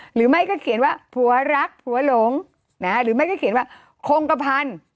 หรือไม่ก็เขียนว่าผัวรักผัวหลงหรือไม่ก็เขียนว่าคงกระพันธุ์